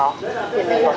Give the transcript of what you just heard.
bộ khu vực bậc tín nào đó